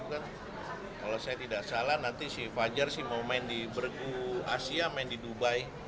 kalau saya tidak salah nanti si fajar sih mau main di bergu asia main di dubai